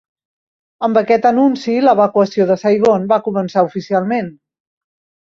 Amb aquest anunci, l'evacuació de Saigon va començar oficialment.